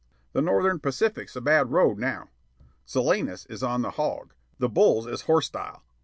"The Northern Pacific's a bad road now." "Salinas is on the 'hog,' the 'bulls' is 'horstile.'"